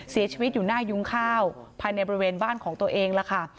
เสียชีวิตอยู่หน้ายุ้งข้าวภายในบริเวณบ้านของตัวเองล่ะค่ะ